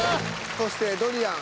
そしてドリアン。